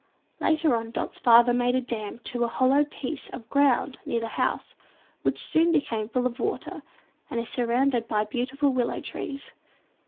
Later on, Dot's father made a dam to a hollow piece of ground near the house, which soon became full of water, and is surrounded by beautiful willow trees.